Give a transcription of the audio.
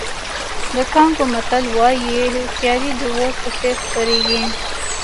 د کانګو متل وایي هوښیاري د اور په څېر خپرېږي.